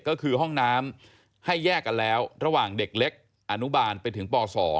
ก็คือห้องน้ำให้แยกกันแล้วระหว่างเด็กเล็กอนุบาลไปถึงป๒